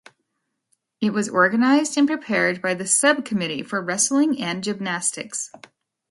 It was organized and prepared by the Sub-Committee for Wrestling and Gymnastics.